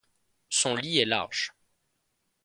Son lit est large.